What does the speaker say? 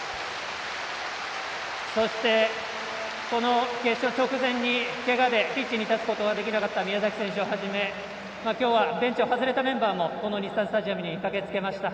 そして、この決勝直前にけがでピッチに立つことができなかった宮崎選手をはじめ今日はベンチを外れたメンバーもこの日産スタジアムに駆けつけました。